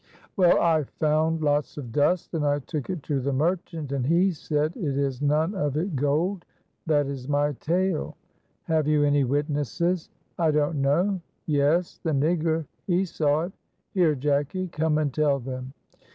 "Well, I found lots of dust, and I took it to the merchant, and he says it is none of it gold. That is my tale." "Have you any witnesses?" "I don't know. Yes, the nigger; he saw it. Here, Jacky, come and tell them."